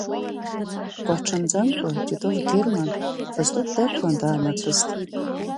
Ҳгәыҳҽанӡамкәа Титов Герман, восток дақәтәан даамацәыст.